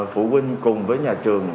phụ huynh cùng với nhà trường